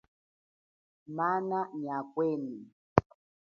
Mana nyia kwenu.